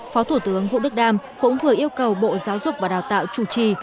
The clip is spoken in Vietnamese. phó thủ tướng vũ đức đam cũng vừa yêu cầu bộ giáo dục và đào tạo chủ trì